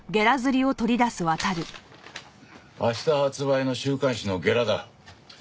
明日発売の週刊誌のゲラだ。